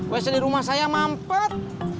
biasanya di rumah saya mampet